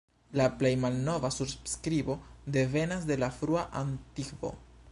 La plej malnova surskribo devenas el la frua antikvo.